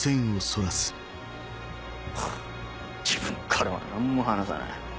ハァ自分からは何も話さない。